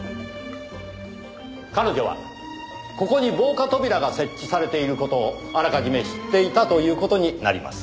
彼女はここに防火扉が設置されている事をあらかじめ知っていたという事になります。